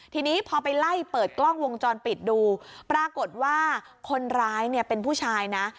ทีนี้พอไปไล่เปิดกล้องวงจรปิดดูปรากฏว่าคนร้ายเนี่ยเป็นผู้ชายนะ